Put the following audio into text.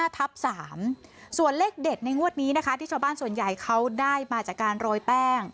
ส่วนเลขเด็ดในงวดนี้นะคะที่ชาวบ้านส่วนใหญ่เขาได้มาจากการโรยแป้ง